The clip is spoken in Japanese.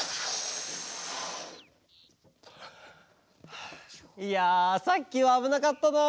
はあいやさっきはあぶなかったな。